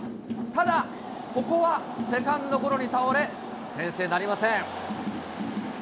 ただ、ここはセカンドゴロに倒れ、先制なりません。